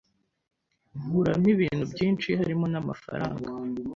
Nkuramo ibintu byinshi harimo n’amafaranga